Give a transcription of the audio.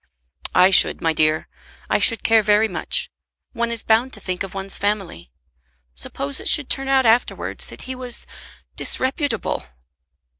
"I should, my dear. I should care very much. One is bound to think of one's family. Suppose it should turn out afterwards that he was disreputable!"